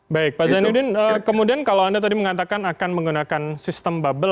baik pak zainuddin kemudian kalau anda tadi mengatakan akan menggunakan sistem bubble